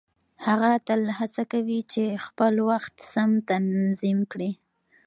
هغه تل هڅه کوي چې خپل وخت سم تنظيم کړي.